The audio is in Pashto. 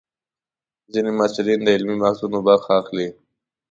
ځینې محصلین د علمي بحثونو برخه اخلي.